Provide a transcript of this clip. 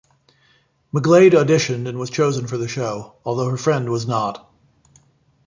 McGlade auditioned and was chosen for the show, although her friend was not.